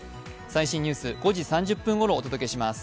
最新ニュース、５時３０分ごろお届けします。